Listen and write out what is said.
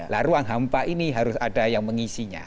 nah ruang hampa ini harus ada yang mengisinya